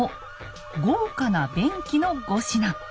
「豪華な便器」の５品。